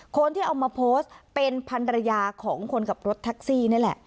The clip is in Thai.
คนที่เอามาโพสต์เป็นพันรยาของคนขับรถแท็กซี่นี่แหละ